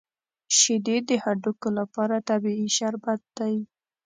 شیدې د هډوکو لپاره طبیعي شربت دی